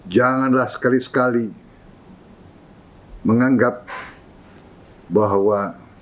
janganlah sekali sekali menganggap bahwa